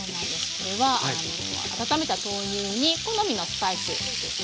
これは温めた豆乳に好みのスパイス。